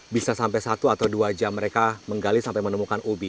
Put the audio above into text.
bisa sampai satu atau dua jam mereka menggali sampai menemukan ubi